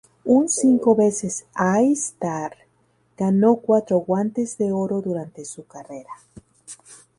Un cinco veces All-Star, ganó cuatro Guantes de Oro durante su carrera.